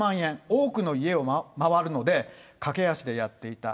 多くの家を回るので、駆け足でやっていた。